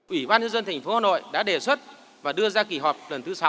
ủy ban nhân dân thành phố hà nội đã đề xuất và đưa ra kỳ họp lần thứ sáu